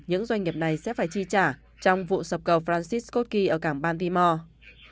những doanh nghiệp này sẽ phải chi trả trong vụ sập cầu francis scott key ở cảng baltimore